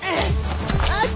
あっ！